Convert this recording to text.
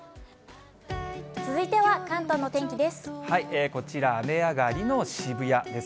続いては関東のお天気です。